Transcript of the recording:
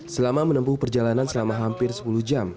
selama menempuh perjalanan selama hampir sepuluh jam